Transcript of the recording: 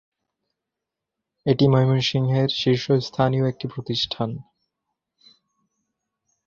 এটি ময়মনসিংহের শীর্ষস্থানীয় একটি শিক্ষাপ্রতিষ্ঠান।